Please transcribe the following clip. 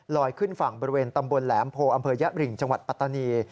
ขึ้นฝั่งบริเวณตำบลแหลมโพอำเภอยะบริงจังหวัดปัตตานี